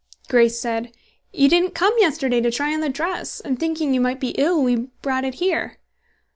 Grace said, "You didn't come yesterday to try on the dress, and thinking you might be ill, we brought it here."